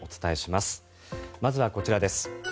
まずはこちらです。